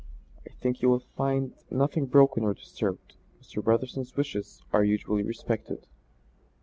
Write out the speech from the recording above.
I think you will find nothing broken or disturbed; Mr. Brotherson's wishes are usually respected."